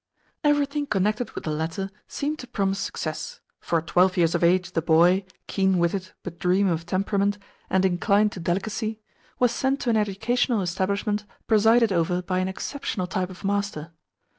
Everything connected with the latter seemed to promise success, for at twelve years of age the boy keen witted, but dreamy of temperament, and inclined to delicacy was sent to an educational establishment presided over by an exceptional type of master.